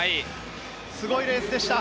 すごいレースでした。